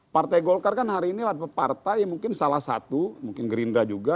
partai golkar kan hari ini adalah partai yang mungkin salah satu mungkin gerindra juga